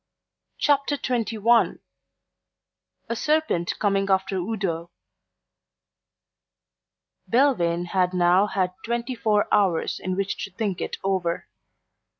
CHAPTER XXI A SERPENT COMING AFTER UDO Belvane had now had twenty four hours in which to think it over.